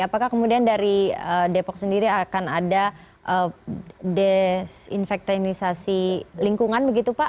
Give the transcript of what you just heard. apakah kemudian dari depok sendiri akan ada desinfektanisasi lingkungan begitu pak